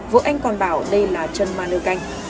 vợ anh còn bảo đây là chân ma nơ canh